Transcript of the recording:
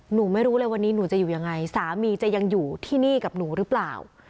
หนูไม่รู้เลยวันนี้หนูจะอยู่ยังไงสามีจะยังอยู่ที่นี่กับหนูหรือเปล่า